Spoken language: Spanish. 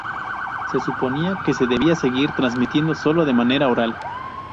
Se suponía que se debía seguir transmitiendo solo de manera oral.